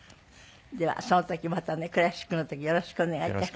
ではその時またねクラシックの時よろしくお願い致します。